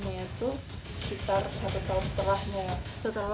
wajah nur hitamnya itu sekitar satu tahun setelahnya